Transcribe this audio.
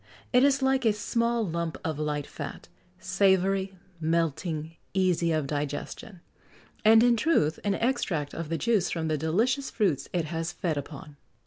It is like a small lump of light fat savoury, melting, easy of digestion; and, in truth, an extract of the juice from the delicious fruits it has fed upon."